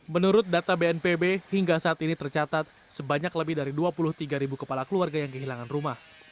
menurut data bnpb hingga saat ini tercatat sebanyak lebih dari dua puluh tiga kepala keluarga yang kehilangan rumah